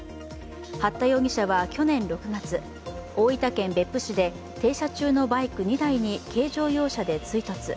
八田容疑者は去年６月、大分県別府市で停車中のバイク２台に軽乗用車で追突。